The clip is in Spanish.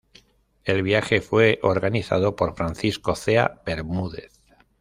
El viaje fue organizado por Francisco Cea Bermúdez.